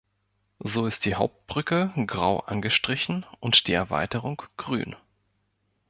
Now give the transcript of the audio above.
So ist die Hauptbrücke grau angestrichen und die Erweiterung grün.